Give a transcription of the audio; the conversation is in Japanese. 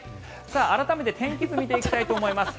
改めて天気図を見ていきたいと思います。